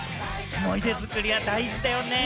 思い出作りは大事だよねー。